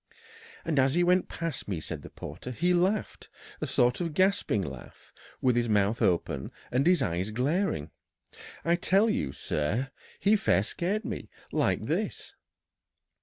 "And as he went past me," said the porter, "he laughed a sort of gasping laugh, with his mouth open and his eyes glaring I tell you, sir, he fair scared me! like this."